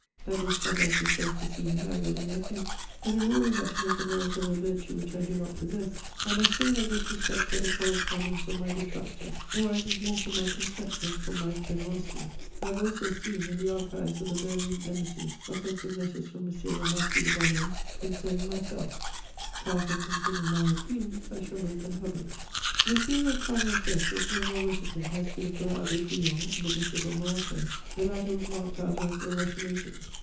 That this conduct is self deceiving I readily admit; but, in order not to make a merit of a virtue which I do not possess, I must say that this respect for the correspondence of my detractors arises more from my contempt than from my generosity. I have also seen, in the archives of the Berlin Embassy, offensive letters from M. le Marquis de Bonnay concerning myself: far from considering my own feelings, I shall make them public. M. le Cardinal Fesch was no more reticent as to the poor Abbé Guillon (the Bishop of Morocco): the latter was marked out as "a Russian agent."